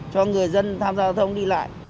cho người dân tham gia giao thông đi lại